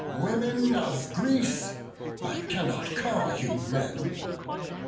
Women of Greece! I cannot call you men!